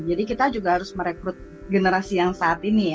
jadi kita juga harus merekrut generasi yang saat ini ya